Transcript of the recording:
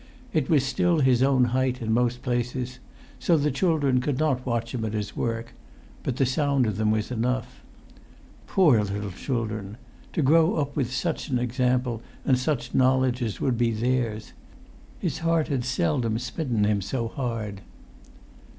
It was still his own height in most places; so the children could not[Pg 190] watch him at his work; but the sound of them was enough. Poor little children! To grow up with such an example and such knowledge as would be theirs! His heart had seldom smitten him so hard.